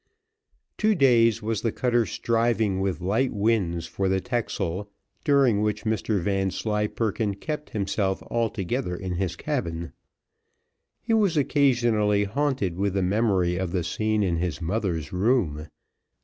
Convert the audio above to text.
Two days was the cutter striving with light winds for the Texel, during which Mr Vanslyperken kept himself altogether in his cabin. He was occasionally haunted with the memory of the scene in his mother's room.